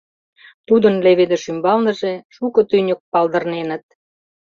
Тудын леведыш ӱмбалныже — шуко тӱньык палдырненыт.